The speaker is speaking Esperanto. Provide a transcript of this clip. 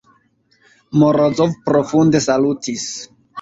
Morozov profunde salutis.